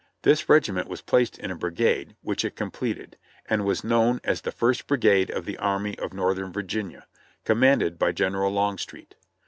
This regiment was placed in a brigade, which it completed, and was known as the "First Brigade of the Army of Northern Virginia," commanded by General Longstreet.